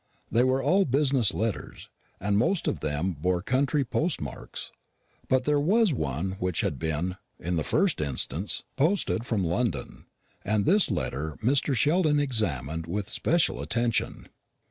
They were all business letters, and most of them bore country post marks. But there was one which had been, in the first instance, posted from London and this letter Mr. Sheldon examined with especial attention.